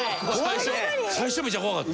最初めっちゃ怖かった。